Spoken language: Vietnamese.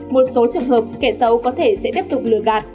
một số trường hợp kẻ xấu có thể sẽ tiếp tục lừa gạt